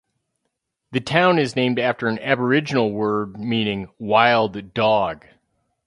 The town is named after an Aboriginal word meaning "wild dog".